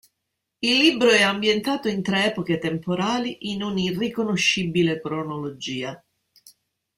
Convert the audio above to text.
Il libro è ambientato in tre epoche temporali in un'irriconoscibile cronologia.